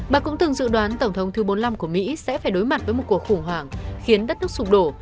bà cũng từng dự đoán tổng thống thứ bốn mươi năm của mỹ sẽ phải đối mặt với một cuộc khủng hoảng khiến đất nước sụp đổ